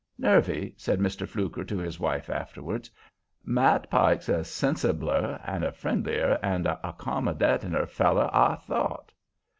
"Nervy," said Mr. Fluker to his wife afterwards, "Matt Pike's a sensibler an' a friendlier an' a 'commodatiner feller'n I thought."